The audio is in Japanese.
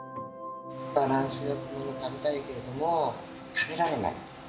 バランスよく食べたいけれども、食べられない。